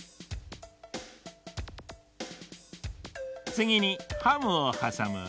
つぎにハムをはさむ。